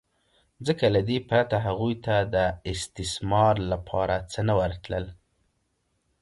ځکه له دې پرته هغوی ته د استثمار لپاره څه نه ورتلل